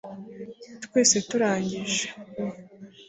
twese turangije